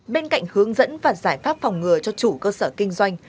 bên cạnh hướng dẫn và giải pháp phòng ngừa cho chủ cơ sở kinh doanh